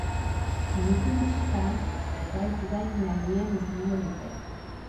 Minutu gutxitan, ekaitz gain-gainean izango dute.